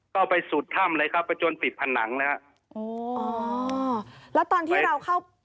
ก็ไปสุดถ้ำเลยครับไปจนปิดผนังนะฮะอ๋ออ๋อแล้วตอนที่เราเข้า